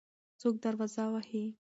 څوک دروازه وهي؟